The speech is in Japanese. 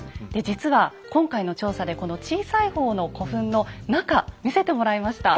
実は今回の調査でこの小さい方の古墳の中見せてもらいました。